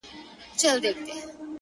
ه مړ او ځوانيمرگ دي سي؛